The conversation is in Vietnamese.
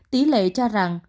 tỷ lệ cho rằng